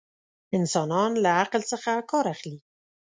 انسانان له عقل څخه ڪار اخلي.